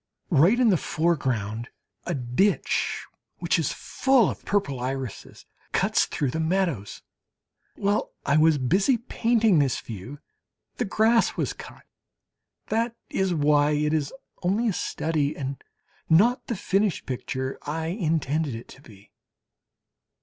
Right in the foreground a ditch which is full of purple irises cuts through the meadows. While I was busy painting this view, the grass was cut, that is why it is only a study and not the finished picture I intended it to be.